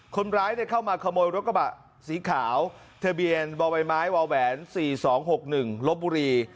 คนร้ายได้เข้ามาขโมยรถกระบะสีขาวเทบียนวาววายไม้วาวแหวน๔๒๖๑รถบุรี